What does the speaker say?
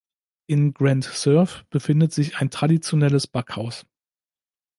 In Grand-Serve befindet sich ein traditionelles Backhaus.